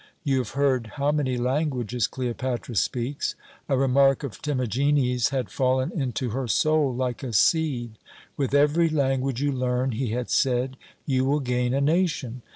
You have heard how many languages Cleopatra speaks. A remark of Timagenes had fallen into her soul like a seed. 'With every language you learn,' he had said, 'you will gain a nation.'